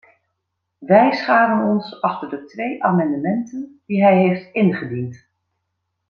Wij scharen ons achter de twee amendementen die hij heeft ingediend.